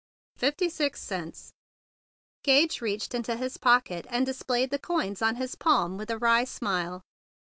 "Fifty six cents." Gage reached into his pocket, and displayed the coins on his palm with a wry smile.